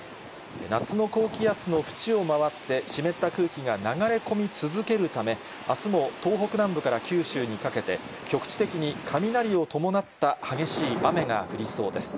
夏の高気圧の縁を回って、湿った空気が流れ込み続けるため、あすも東北南部から九州にかけて、局地的に雷を伴った激しい雨が降りそうです。